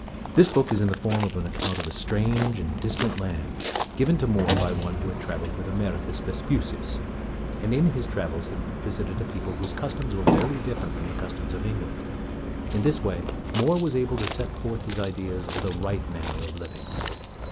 This book is in the form of an account of a strange and distant land, given to More by one who had traveled with Americus Vespucius, and in his travels had visited a people whose cus toms were very different from the customs of England. In this way, More was able to set forth his ideas of the right manner of living.